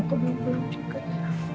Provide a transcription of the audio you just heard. kok belum pulang juga ya